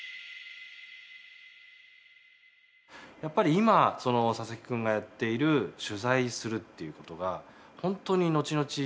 やっぱり今その佐々木君がやっている取材するっていう事が本当にのちのち